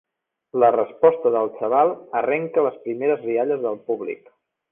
La resposta del xaval arrenca les primeres rialles del públic.